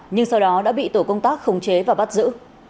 nhưng sau đó đã bị tổ công tác khống chế và bắt giữ